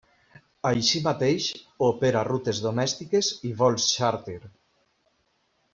Així mateix opera rutes domèstiques i vols xàrter.